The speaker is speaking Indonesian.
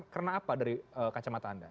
karena apa dari kacamata anda